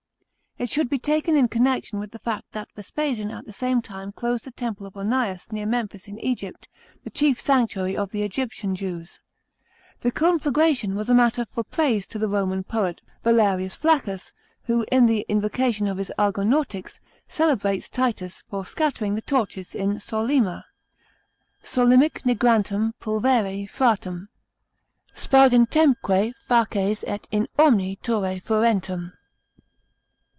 It should be taken in connection with the fact that Vespasian at the same time closed the Temple of Onias near Memphis in Euypt, the chief sanctuary of the Egyptian Jews. The conflagration was a matter for praise to the Roman po« t Valerius Flaccns, who, in the invocation of his " Argonautica," celebrates Titus for scattering the torches in Solyma : Solymo nigrantem pulvere fratrem, faces et in omni turre furentem..